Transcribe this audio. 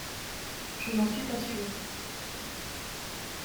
Je n’en suis pas sûre